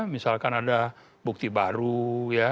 misalkan ada bukti baru ya